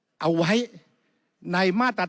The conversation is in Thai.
แต่การเลือกนายกรัฐมนตรี